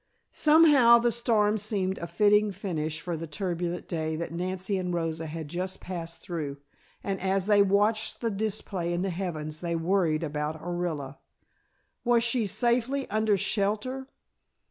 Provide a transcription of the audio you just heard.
Somehow the storm seemed a fitting finish for the turbulent day that Nancy and Rosa had just passed through, and as they watched the display in the heavens they worried about Orilla. Was she safely under shelter?